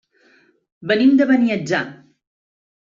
Venim de Beniatjar.